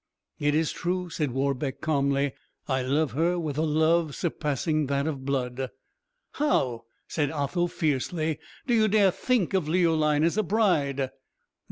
"It is true," said Warbeck, calmly: "I love her with a love surpassing that of blood." "How!" said Otho, fiercely: "do you dare to think of Leoline as a bride?"